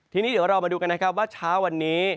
ทีนี้เดี๋ยวเรามาดูกันนะครับว่าเช้าวันนี้